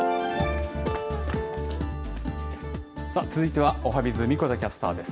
続いてはおはＢｉｚ、神子田キャスターです。